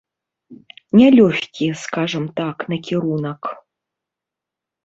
Нялёгкі, скажам так, накірунак.